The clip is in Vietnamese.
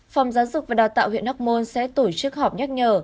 phòng giáo dục và đào tạo huyện hóc môn sẽ tổ chức họp nhắc nhở